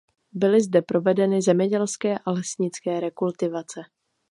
Byly zde provedeny zemědělské a lesnické rekultivace.